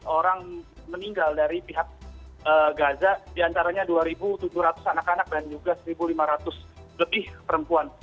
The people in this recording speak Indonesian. empat orang meninggal dari pihak gaza diantaranya dua tujuh ratus anak anak dan juga satu lima ratus lebih perempuan